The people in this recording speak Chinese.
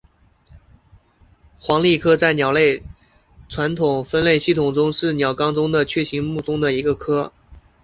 黄鹂科在鸟类传统分类系统中是鸟纲中的雀形目中的一个科。